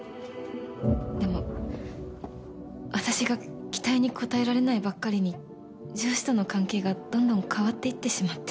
でも私が期待に応えられないばっかりに上司との関係がどんどん変わっていってしまって。